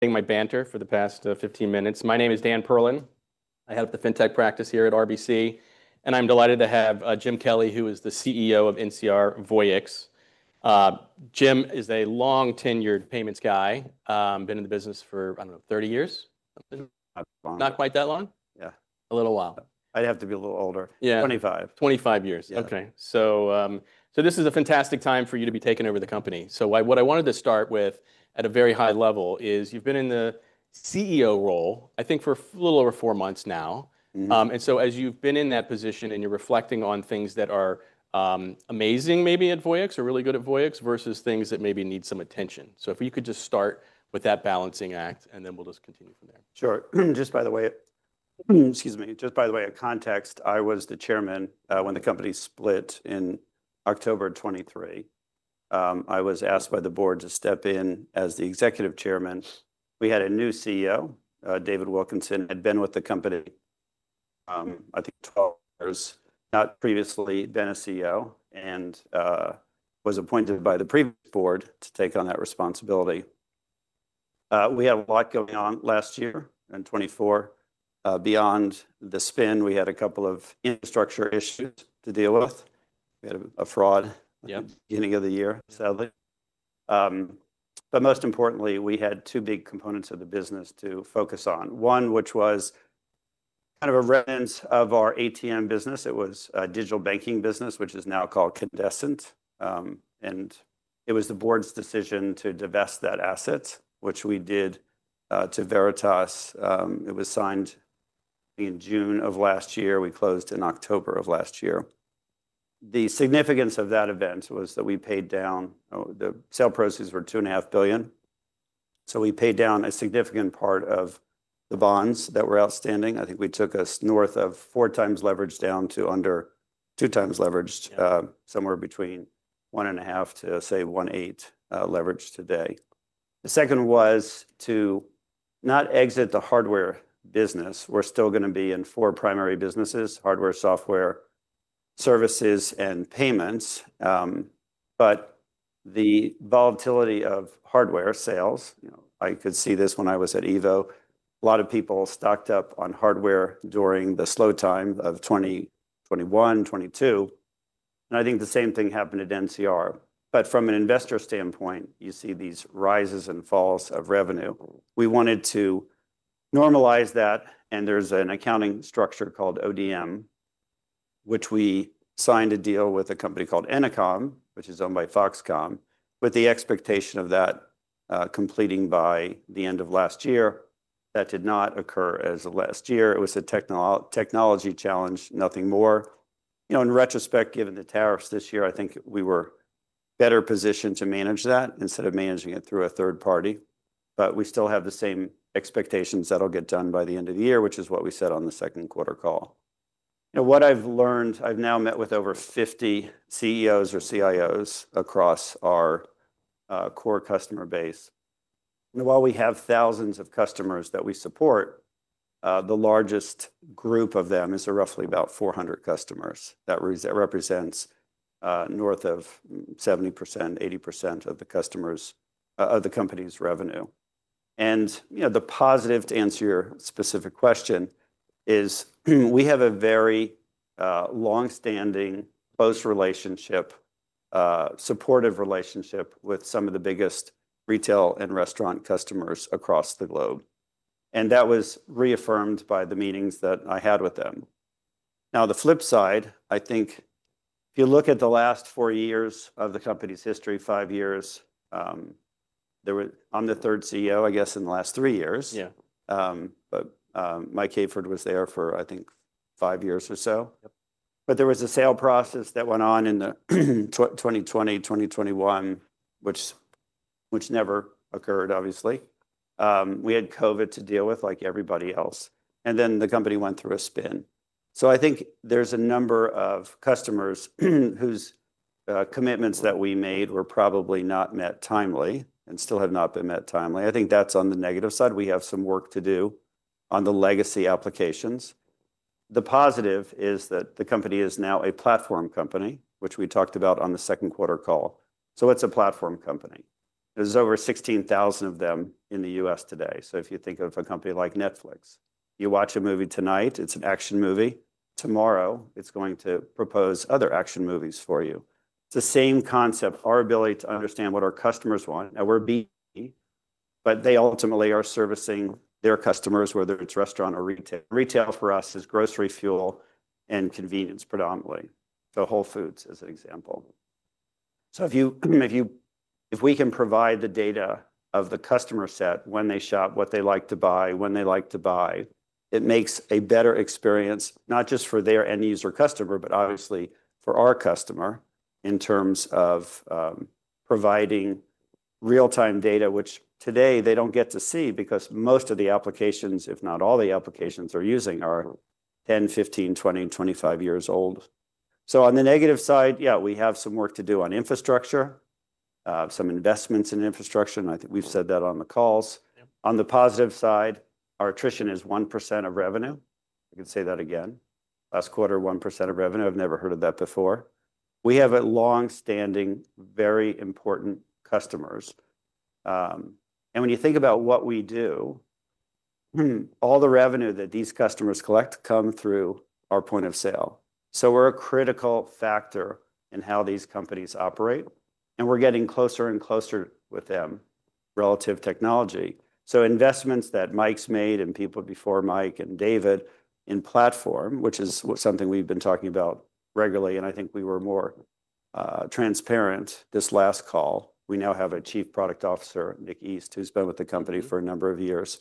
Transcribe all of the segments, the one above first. Been my banter for the past 15 minutes. My name is Dan Perlin. I head up the FinTech practice here at RBC, and I'm delighted to have Jim Kelly, who is the CEO of NCR Voyix. Jim is a long-tenured payments guy. Been in the business for, I don't know, 30 years? Not that long. Not quite that long. Yeah. A little while. I'd have to be a little older. Yeah. 25. 25 years. Yeah. Okay. This is a fantastic time for you to be taking over the company. What I wanted to start with at a very high level is you've been in the CEO role, I think, for a little over four months now. As you've been in that position and you're reflecting on things that are amazing, maybe at Voyix, or really good at Voyix, versus things that maybe need some attention. If you could just start with that balancing act, and then we'll just continue from there. Sure. Just by the way—excuse me—just by the way, context, I was the Chairman when the company split in October 2023. I was asked by the board to step in as the Executive Chairman. We had a new CEO, David Wilkinson, who had been with the company, I think, 12 years, not previously been a CEO, and was appointed by the previous board to take on that responsibility. We had a lot going on last year in 2024. Beyond the spin, we had a couple of infrastructure issues to deal with. We had a fraud at the beginning of the year, sadly. Most importantly, we had two big components of the business to focus on. One, which was kind of a remnant of our ATM business. It was a digital banking business, which is now called Candescent. It was the board's decision to divest that asset, which we did to Veritas. It was signed in June of last year. We closed in October of last year. The significance of that event was that we paid down—the sale proceeds were $2.5 billion. We paid down a significant part of the bonds that were outstanding. I think we took us north of four times leveraged down to under two times leveraged, somewhere between 1/2 to, say, 1/8 leveraged today. The second was to not exit the hardware business. We're still going to be in four primary businesses: hardware, software, services, and payments. The volatility of hardware sales—I could see this when I was at Evo. A lot of people stocked up on hardware during the slow time of 2021-2022. I think the same thing happened at NCR. From an investor standpoint, you see these rises and falls of revenue. We wanted to normalize that. There is an accounting structure called ODM, which we signed a deal with a company called Ennoconn, which is owned by Foxconn, with the expectation of that completing by the end of last year. That did not occur as of last year. It was a technology challenge, nothing more. In retrospect, given the tariffs this year, I think we were better positioned to manage that instead of managing it through a third party. We still have the same expectations that will get done by the end of the year, which is what we said on the second quarter call. What I have learned—I have now met with over 50 CEOs or CIOs across our core customer base. While we have thousands of customers that we support, the largest group of them is roughly about 400 customers. That represents north of 70%-80% of the company's revenue. The positive—to answer your specific question—is we have a very long-standing, close relationship, supportive relationship with some of the biggest retail and restaurant customers across the globe. That was reaffirmed by the meetings that I had with them. Now, the flip side, I think if you look at the last four years of the company's history, five years, there was—I'm the third CEO, I guess, in the last three years. Yeah. Mike Hayford was there for, I think, five years or so. There was a sale process that went on in 2020, 2021, which never occurred, obviously. We had COVID to deal with, like everybody else. The company went through a spin. I think there's a number of customers whose commitments that we made were probably not met timely and still have not been met timely. I think that's on the negative side. We have some work to do on the legacy applications. The positive is that the company is now a platform company, which we talked about on the second quarter call. It's a platform company. There's over 16,000 of them in the U.S. today. If you think of a company like Netflix, you watch a movie tonight, it's an action movie. Tomorrow, it's going to propose other action movies for you. It's the same concept: our ability to understand what our customers want. Now, we're B2B, but they ultimately are servicing their customers, whether it's restaurant or retail. Retail for us is grocery, fuel, and convenience predominantly. Whole Foods is an example. If we can provide the data of the customer set when they shop, what they like to buy, when they like to buy, it makes a better experience not just for their end user customer, but obviously for our customer in terms of providing real-time data, which today they don't get to see because most of the applications, if not all the applications they're using, are 10, 15, 20, 25 years old. On the negative side, yeah, we have some work to do on infrastructure, some investments in infrastructure. I think we've said that on the calls. On the positive side, our attrition is 1% of revenue. I can say that again. Last quarter, 1% of revenue. I've never heard of that before. We have long-standing, very important customers. When you think about what we do, all the revenue that these customers collect comes through our point of sale. We are a critical factor in how these companies operate. We are getting closer and closer with them relative to technology. Investments that Mike's made and people before Mike and David in platform, which is something we've been talking about regularly, and I think we were more transparent this last call. We now have a Chief Product Officer, Nick East, who's been with the company for a number of years,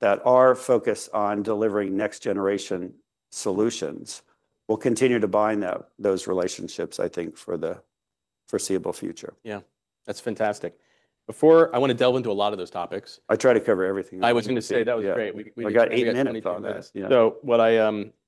that our focus on delivering next-generation solutions will continue to bind those relationships, I think, for the foreseeable future. Yeah. That's fantastic. Before I want to delve into a lot of those topics. I try to cover everything. I was going to say that was great. I got eight minutes on this.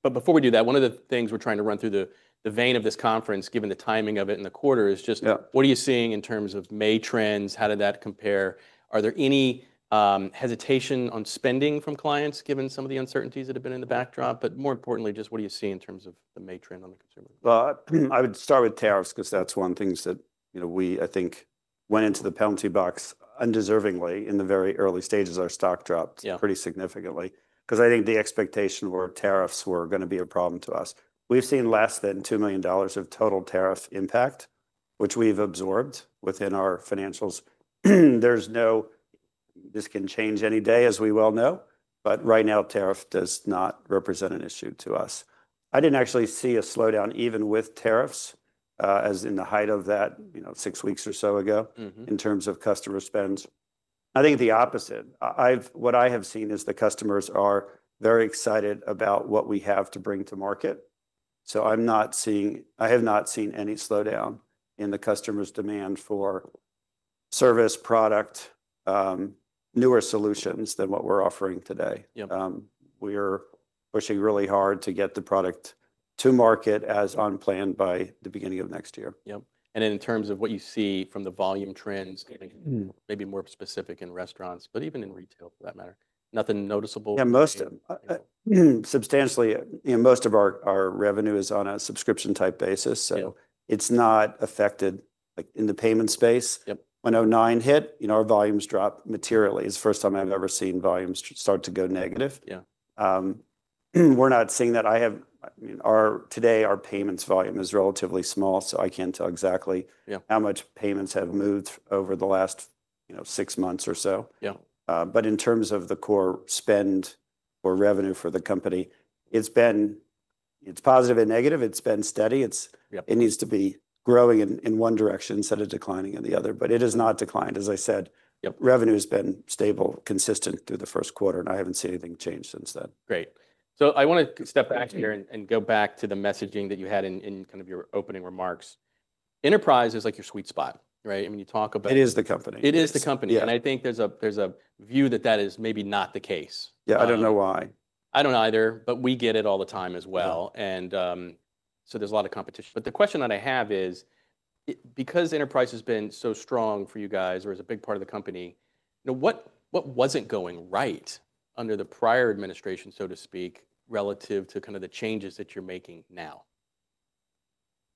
Before we do that, one of the things we're trying to run through the vein of this conference, given the timing of it in the quarter, is just what are you seeing in terms of May trends? How did that compare? Are there any hesitation on spending from clients given some of the uncertainties that have been in the backdrop? More importantly, just what do you see in terms of the May trend on the consumer? I would start with tariffs because that's one of the things that we, I think, went into the penalty box undeservingly in the very early stages. Our stock dropped pretty significantly because I think the expectation was tariffs were going to be a problem to us. We've seen less than $2 million of total tariff impact, which we've absorbed within our financials. This can change any day, as we well know. Right now, tariff does not represent an issue to us. I didn't actually see a slowdown even with tariffs as in the height of that six weeks or so ago in terms of customer spend. I think the opposite. What I have seen is the customers are very excited about what we have to bring to market. I have not seen any slowdown in the customer's demand for service, product, newer solutions than what we're offering today. We are pushing really hard to get the product to market as on plan by the beginning of next year. Yep. And in terms of what you see from the volume trends, maybe more specific in restaurants, but even in retail for that matter, nothing noticeable? Yeah, most substantially, most of our revenue is on a subscription-type basis. So it's not affected in the payment space. When 2009 hit, our volumes dropped materially. It's the first time I've ever seen volumes start to go negative. We're not seeing that. Today, our payments volume is relatively small, so I can't tell exactly how much payments have moved over the last six months or so. But in terms of the core spend or revenue for the company, it's been positive and negative. It's been steady. It needs to be growing in one direction instead of declining in the other. It has not declined. As I said, revenue has been stable, consistent through the first quarter, and I haven't seen anything change since then. Great. I want to step back here and go back to the messaging that you had in kind of your opening remarks. Enterprise is like your sweet spot, right? I mean, you talk about. It is the company. It is the company. I think there's a view that that is maybe not the case. Yeah, I don't know why. I don't know either, but we get it all the time as well. There is a lot of competition. The question that I have is, because Enterprise has been so strong for you guys, or is a big part of the company, what wasn't going right under the prior administration, so to speak, relative to kind of the changes that you're making now?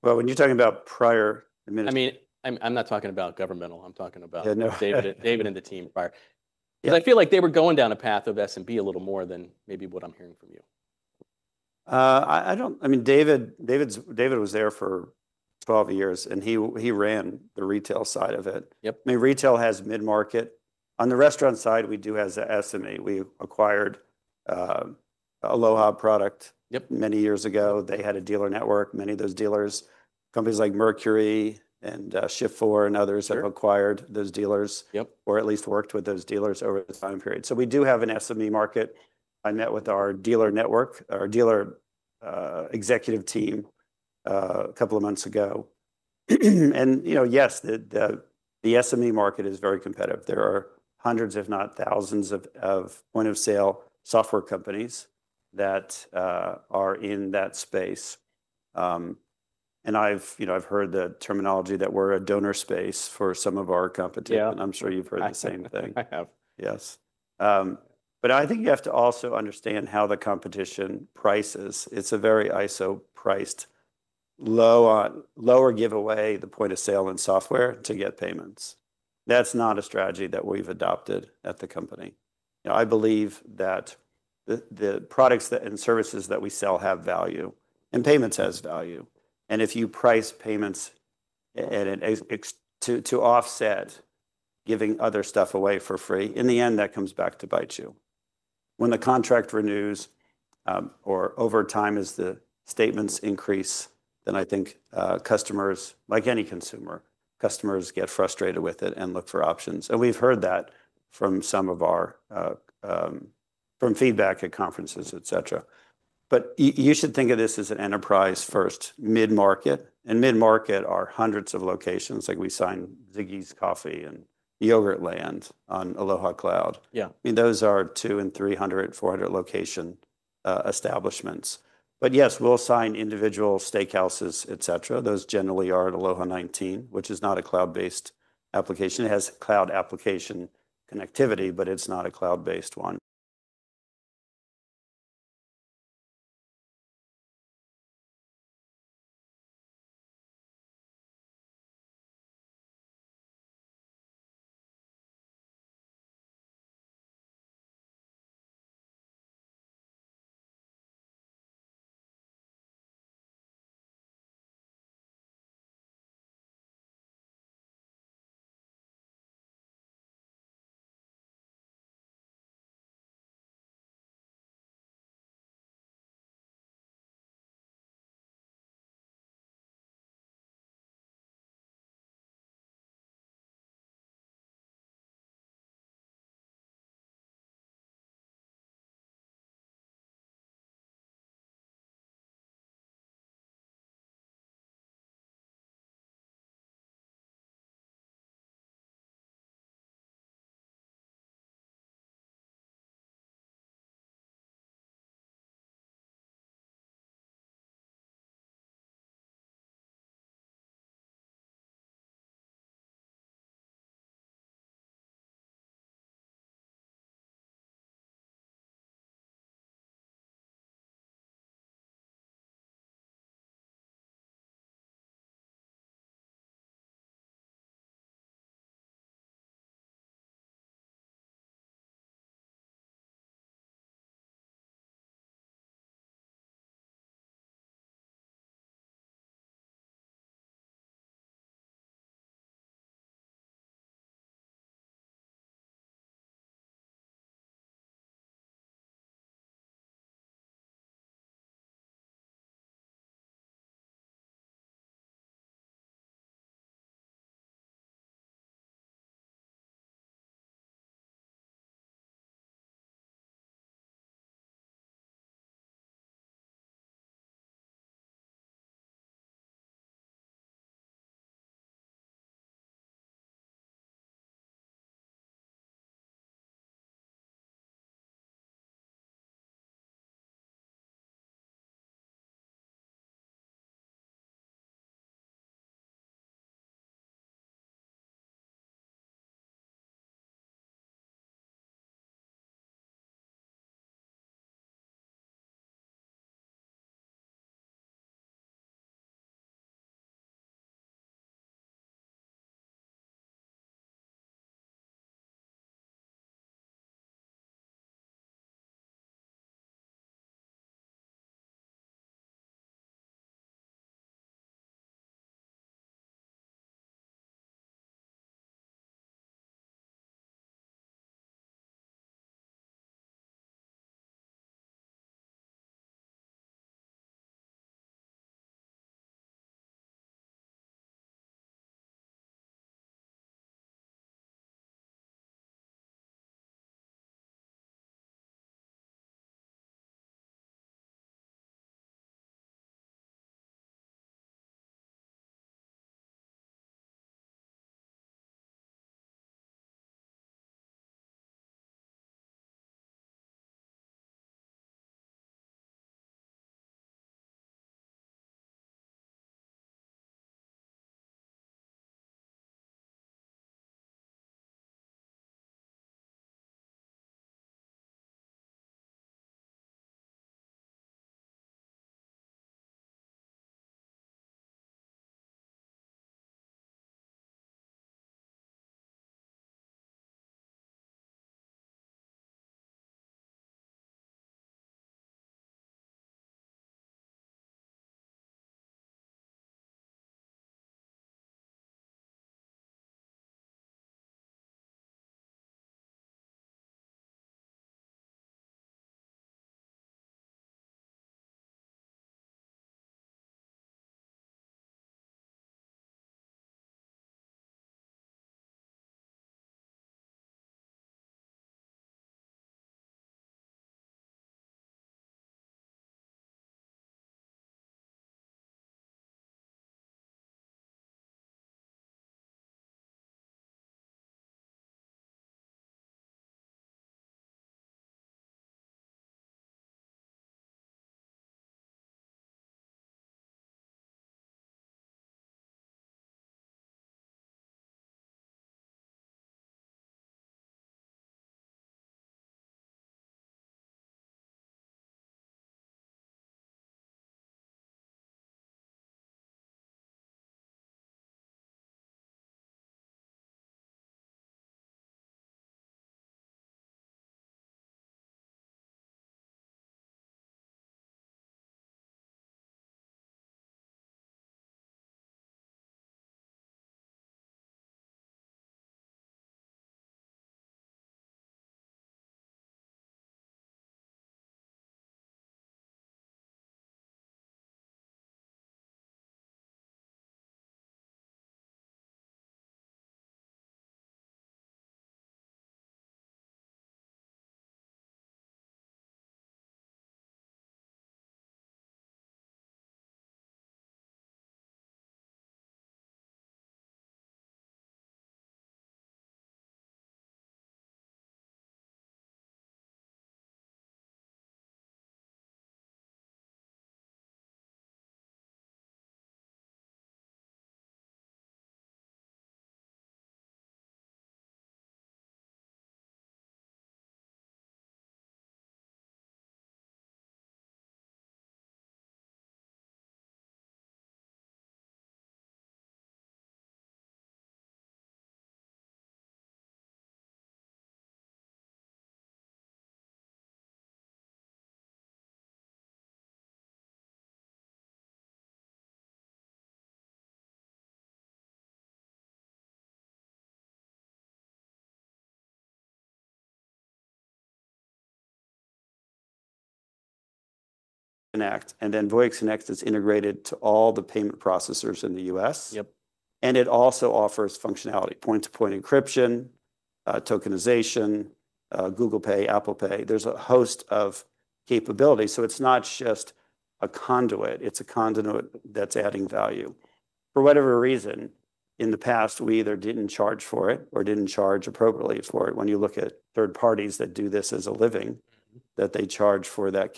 When you're talking about prior. I mean, I'm not talking about governmental. I'm talking about David and the team prior. Because I feel like they were going down a path of SME a little more than maybe what I'm hearing from you. I mean, David was there for 12 years, and he ran the retail side of it. I mean, retail has mid-market. On the restaurant side, we do have the SME. We acquired Aloha product many years ago. They had a dealer network. Many of those dealers, companies like Mercury and Shift4 and others have acquired those dealers or at least worked with those dealers over the time period. We do have an SME market. I met with our dealer network, our dealer executive team a couple of months ago. Yes, the SME market is very competitive. There are hundreds, if not thousands, of point-of-sale software companies that are in that space. I have heard the terminology that we are a donor space for some of our competition. I am sure you have heard the same thing. I have. Yes. I think you have to also understand how the competition prices. It's a very ISO-priced, lower giveaway, the point of sale and software to get payments. That's not a strategy that we've adopted at the company. I believe that the products and services that we sell have value, and payments has value. If you price payments to offset giving other stuff away for free, in the end, that comes back to bite you. When the contract renews or over time as the statements increase, I think customers, like any consumer, customers get frustrated with it and look for options. We've heard that from feedback at conferences, et cetera. You should think of this as an enterprise-first mid-market. Mid-market are hundreds of locations like we signed Ziggy's Coffee and Yogurtland on Aloha Cloud. I mean, those are two and 300, 400 location establishments. Yes, we'll sign individual steakhouses, et cetera. Those generally are at Aloha v19, which is not a cloud-based application. It has cloud application connectivity, but it's not a cloud-based one. And then Voyix Next is integrated to all the payment processors in the U.S. It also offers functionality: point-to-point encryption, tokenization, Google Pay, Apple Pay. There's a host of capabilities. It's not just a conduit. It's a conduit that's adding value. For whatever reason, in the past, we either didn't charge for it or didn't charge appropriately for it. When you look at third parties that do this as a living, they charge for that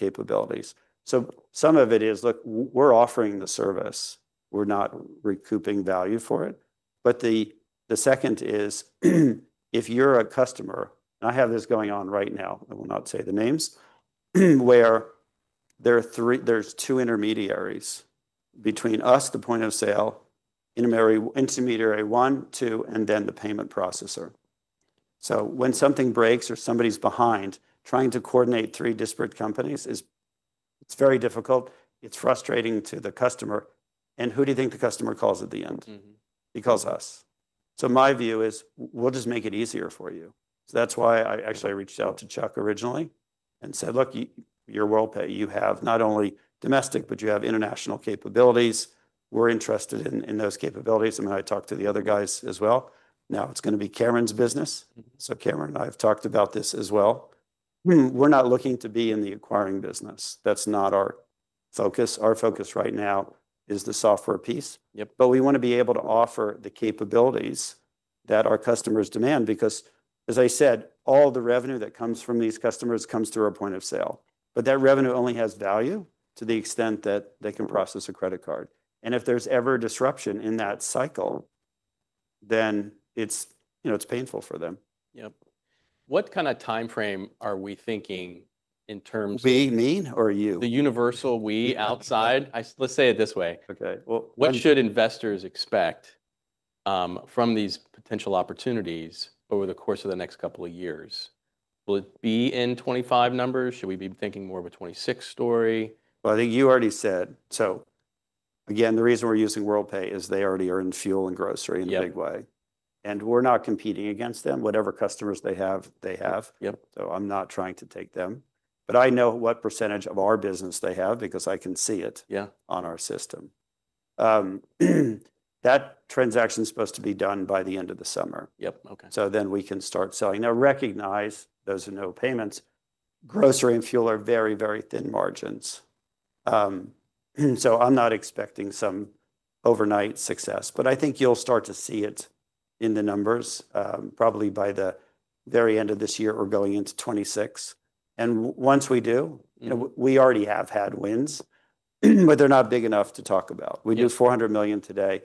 capability. Some of it is, look, we're offering the service. We're not recouping value for it. The second is, if you're a customer, and I have this going on right now, I will not say the names, where there's two intermediaries between us, the point of sale, intermediary one, two, and then the payment processor. When something breaks or somebody's behind trying to coordinate three disparate companies, it's very difficult. It's frustrating to the customer. Who do you think the customer calls at the end? He calls us. My view is, we'll just make it easier for you. That's why I actually reached out to Chuck originally and said, "Look, you're well paid. You have not only domestic, but you have international capabilities. We're interested in those capabilities." I talked to the other guys as well. Now it's going to be Karen's business. Karen and I have talked about this as well. We're not looking to be in the acquiring business. That's not our focus. Our focus right now is the software piece. We want to be able to offer the capabilities that our customers demand. Because as I said, all the revenue that comes from these customers comes through a point of sale. That revenue only has value to the extent that they can process a credit card. If there's ever a disruption in that cycle, then it's painful for them. Yep. What kind of time frame are we thinking in terms of? We mean or you? The universal we outside. Let's say it this way. Okay. What should investors expect from these potential opportunities over the course of the next couple of years? Will it be in 2025 numbers? Should we be thinking more of a 2026 story? I think you already said. Again, the reason we're using Worldpay is they already earn fuel and grocery in a big way. We're not competing against them. Whatever customers they have, they have. I'm not trying to take them. I know what percentage of our business they have because I can see it on our system. That transaction is supposed to be done by the end of the summer. Then we can start selling. Now, recognize those are no payments. Grocery and fuel are very, very thin margins. I'm not expecting some overnight success. I think you'll start to see it in the numbers probably by the very end of this year or going into 2026. Once we do, we already have had wins, but they're not big enough to talk about. We do $400 million today.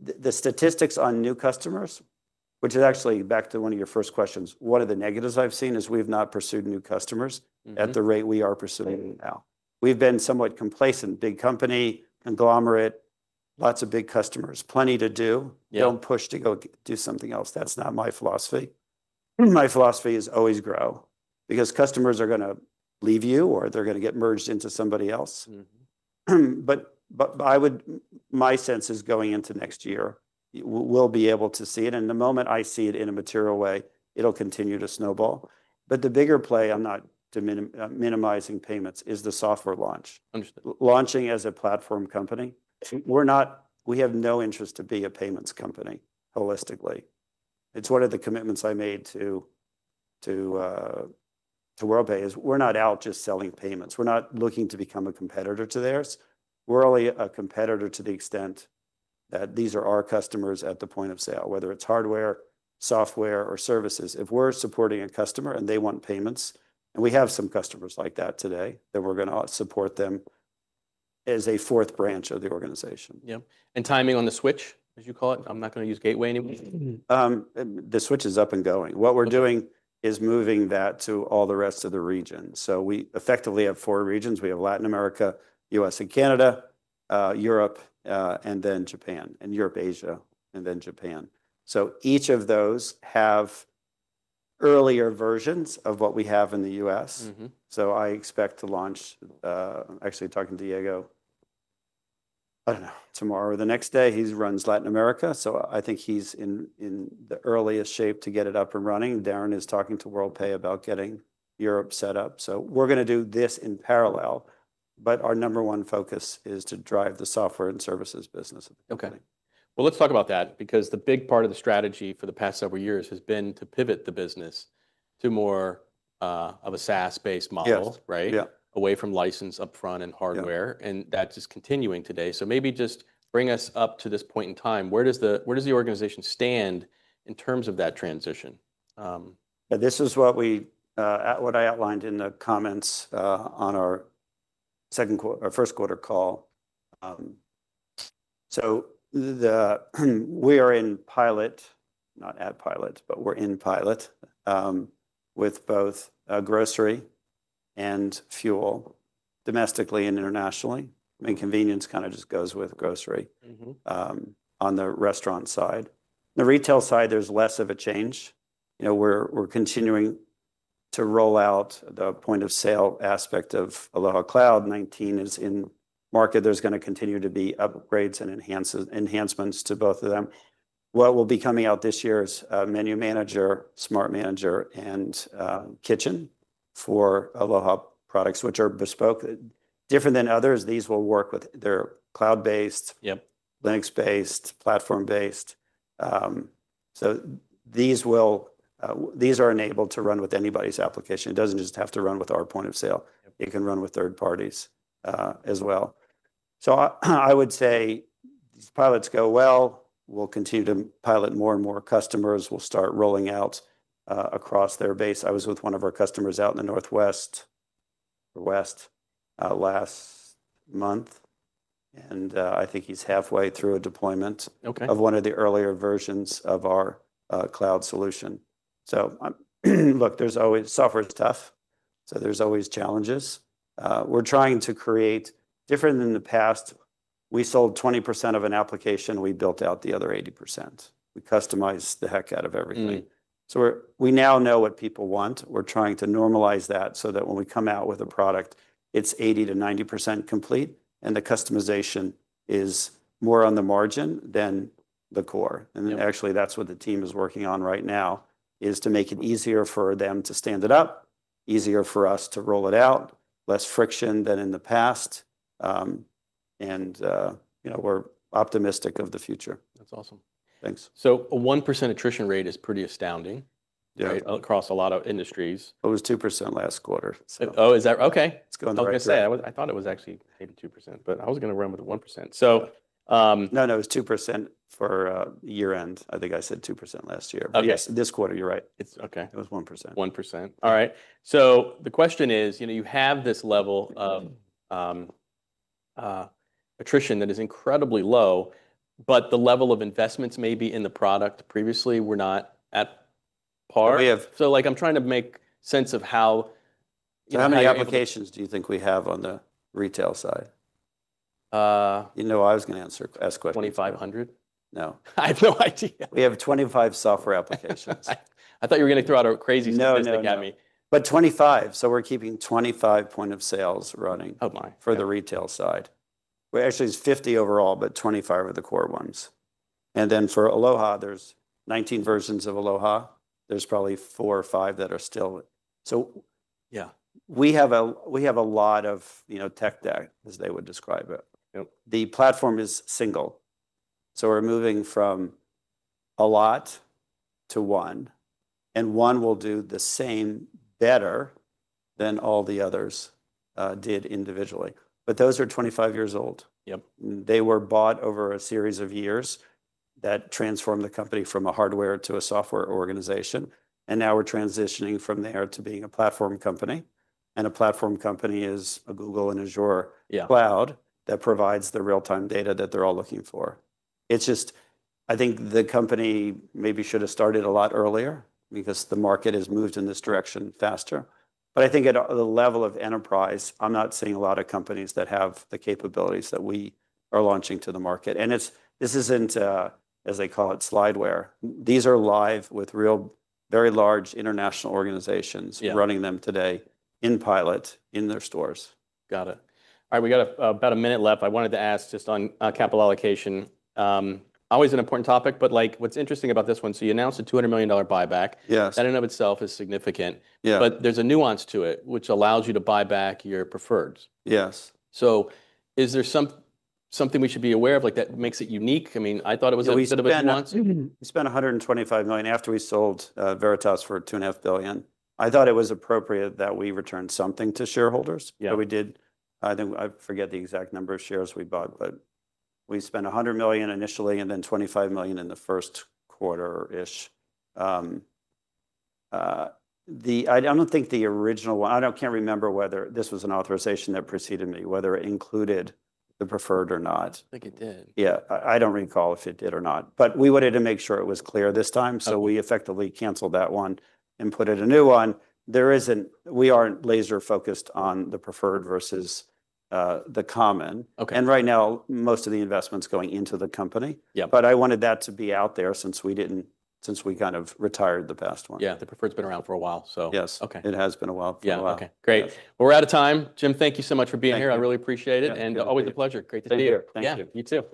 The statistics on new customers, which is actually back to one of your first questions, one of the negatives I've seen is we've not pursued new customers at the rate we are pursuing now. We've been somewhat complacent, big company, conglomerate, lots of big customers, plenty to do. Do not push to go do something else. That's not my philosophy. My philosophy is always grow because customers are going to leave you or they're going to get merged into somebody else. My sense is going into next year, we'll be able to see it. The moment I see it in a material way, it'll continue to snowball. The bigger play, I'm not minimizing payments, is the software launch. Launching as a platform company. We have no interest to be a payments company holistically. It's one of the commitments I made to Worldpay is we're not out just selling payments. We're not looking to become a competitor to theirs. We're only a competitor to the extent that these are our customers at the point of sale, whether it's hardware, software, or services. If we're supporting a customer and they want payments, and we have some customers like that today, then we're going to support them as a fourth branch of the organization. Yep. And timing on the switch, as you call it? I'm not going to use Gateway anymore. The switch is up and going. What we're doing is moving that to all the rest of the region. We effectively have four regions. We have Latin America, U.S. and Canada, Europe, and then Japan, and Europe, Asia, and then Japan. Each of those have earlier versions of what we have in the U.S. I expect to launch, actually talking to Diego, I don't know, tomorrow or the next day, he runs Latin America. I think he's in the earliest shape to get it up and running. Darren is talking to Worldpay about getting Europe set up. We're going to do this in parallel. Our number one focus is to drive the software and services business. Okay. Let's talk about that because the big part of the strategy for the past several years has been to pivot the business to more of a SaaS-based model, right? Away from license upfront and hardware. That's just continuing today. Maybe just bring us up to this point in time. Where does the organization stand in terms of that transition? This is what I outlined in the comments on our second or first quarter call. We are in pilot, not at pilot, but we're in pilot with both grocery and fuel domestically and internationally. I mean, convenience kind of just goes with grocery on the restaurant side. The retail side, there's less of a change. We're continuing to roll out the point of sale aspect of Aloha Cloud v19 is in market. There's going to continue to be upgrades and enhancements to both of them. What will be coming out this year is Menu Manager, Smart Manager, and Kitchen for Aloha products, which are bespoke. Different than others, these will work with their cloud-based, Linux-based, platform-based. These are enabled to run with anybody's application. It doesn't just have to run with our point of sale. It can run with third parties as well. I would say these pilots go well. We'll continue to pilot more and more customers. We'll start rolling out across their base. I was with one of our customers out in the northwest or west last month. I think he's halfway through a deployment of one of the earlier versions of our cloud solution. Look, software is tough. There's always challenges. We're trying to create different than the past. We sold 20% of an application. We built out the other 80%. We customized the heck out of everything. We now know what people want. We're trying to normalize that so that when we come out with a product, it's 80%-90% complete. The customization is more on the margin than the core. That is what the team is working on right now, to make it easier for them to stand it up, easier for us to roll it out, less friction than in the past. We are optimistic of the future. That's awesome. Thanks. A 1% attrition rate is pretty astounding across a lot of industries. It was 2% last quarter. Oh, is that okay? I was going to say, I thought it was actually 82%, but I was going to run with 1%. No, no, it was 2% for year-end. I think I said 2% last year. This quarter, you're right. It was 1%. 1%. All right. So the question is, you have this level of attrition that is incredibly low, but the level of investments maybe in the product previously were not at par. So I'm trying to make sense of how. How many applications do you think we have on the retail side? You know I was going to ask questions. 2,500? No. I have no idea. We have 25 software applications. I thought you were going to throw out a crazy statistic at me. 25. We're keeping 25 point of sales running for the retail side. Actually, it's 50 overall, but 25 of the core ones. Then for Aloha, there are 19 versions of Aloha. There's probably four or five that are still. We have a lot of tech debt, as they would describe it. The platform is single. We're moving from a lot to one. One will do the same better than all the others did individually. Those are 25 years old. They were bought over a series of years that transformed the company from a hardware to a software organization. Now we're transitioning from there to being a platform company. A platform company is a Google and Azure cloud that provides the real-time data that they're all looking for. It's just, I think the company maybe should have started a lot earlier because the market has moved in this direction faster. I think at the level of enterprise, I'm not seeing a lot of companies that have the capabilities that we are launching to the market. This isn't, as they call it, slideware. These are live with real, very large international organizations running them today in pilot in their stores. Got it. All right. We got about a minute left. I wanted to ask just on capital allocation. Always an important topic, but what's interesting about this one, you announced a $200 million buyback. That in and of itself is significant. There is a nuance to it, which allows you to buy back your preferreds. Yes. Is there something we should be aware of that makes it unique? I mean, I thought it was a bit of a nuance. We spent $125 million after we sold Veritas for $2.5 billion. I thought it was appropriate that we returned something to shareholders. So we did. I forget the exact number of shares we bought, but we spent $100 million initially and then $25 million in the first quarter-ish. I do not think the original one, I cannot remember whether this was an authorization that preceded me, whether it included the preferred or not. I think it did. Yeah. I don't recall if it did or not. We wanted to make sure it was clear this time. We effectively canceled that one and put in a new one. We aren't laser-focused on the preferred versus the common. Right now, most of the investment's going into the company. I wanted that to be out there since we kind of retired the past one. Yeah. The preferred's been around for a while, so. Yes. It has been a while. Okay. Great. We're out of time. Jim, thank you so much for being here. I really appreciate it. Always a pleasure. Great to see you. Thank you. Thank you.